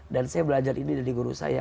dan saya belajar ini dari guru saya